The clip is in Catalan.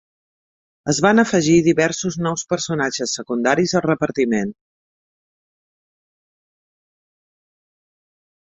Es van afegir diversos nous personatges secundaris al repartiment.